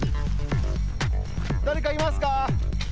だれかいますか？